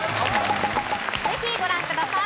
ぜひご覧ください。